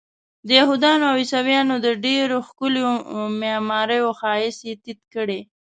د یهودانو او عیسویانو د ډېرو ښکلیو معماریو ښایست یې تت کړی.